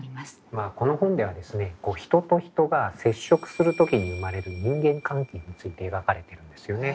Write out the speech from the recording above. まあこの本ではですね人と人が接触する時に生まれる人間関係について描かれてるんですよね。